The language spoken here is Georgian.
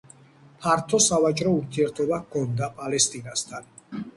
ფართო სავაჭრო ურთიერთობა ჰქონდა პალესტინასთან.